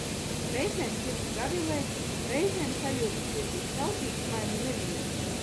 Reizēm sirds gavilē, reizēm sajūtu sirdī saldtīksmainu nemieru.